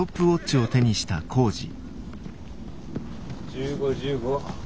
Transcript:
１５‐１５